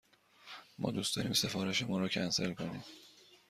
ما دوست داریم سفارش مان را کنسل کنیم.